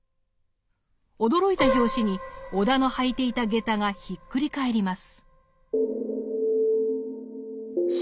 驚いた拍子に尾田の履いていた下駄がひっくり返ります。